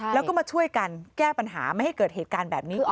แล้วก็มาช่วยกันแก้ปัญหาไม่ให้เกิดเหตุการณ์แบบนี้อีก